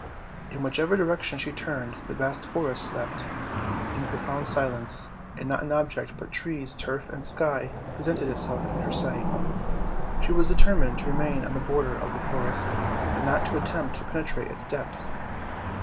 In whichever direction she turned the vast forest slept in profound silence, and not an object but trees, turf, and sky presented itself to her sight. She was determined to remain on the border of the forest, and not to attempt to penetrate its depths.